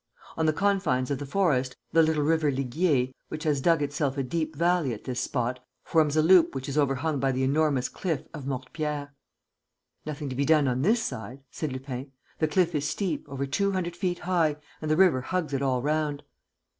On the confines of the forest, the little river Ligier, which has dug itself a deep valley at this spot, forms a loop which is overhung by the enormous cliff of Mortepierre. "Nothing to be done on this side," said Lupin. "The cliff is steep, over two hundred feet high, and the river hugs it all round."